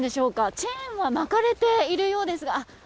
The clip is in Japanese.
チェーンは巻かれているようですが。